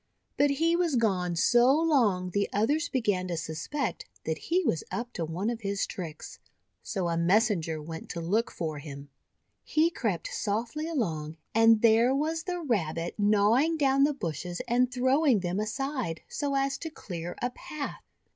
But he was gone so long the others began to suspect that he was up to one of his tricks. So a messenger went to look for him. He crept softly along, and there was the Rabbit WHY NO SNAKES IN IRELAND 191 gnawing down the bushes and throwing them aside, so as to clear a path.